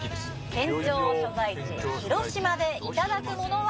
県庁所在地広島でいただくものは。